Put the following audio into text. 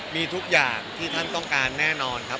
มีทุกอย่างที่ท่านต้องการแน่นอนครับ